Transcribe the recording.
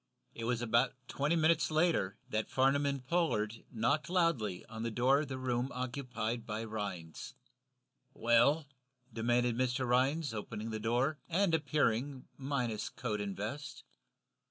It was about twenty minutes later that Farnum and Pollard knocked loudly on the door of the room occupied by Rhinds. "Well?" demanded Mr. Rhinds, opening the door, and appearing, minus coat and vest.